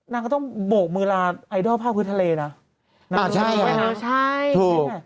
นางก็ต้องโบกมือลาไอดอลภาคพื้นทะเลนะนางใช่ไหมคะใช่ถูก